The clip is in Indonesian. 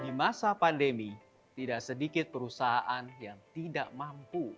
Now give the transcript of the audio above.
di masa pandemi tidak sedikit perusahaan yang tidak mampu